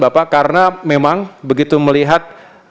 bapak karena memang begitu melihat